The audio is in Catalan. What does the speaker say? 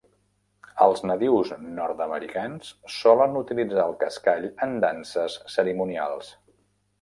Els nadius nord-americans solen utilitzar el cascall en danses cerimonials.